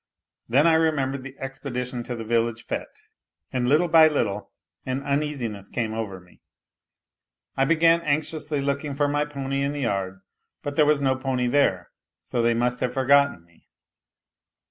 ... Then I remembered the expedition to the village fdte, and little by little an uneasiness came over me; I began anxiously looking for my pony in the yard; but there was no pony there, so they must have forgotten me.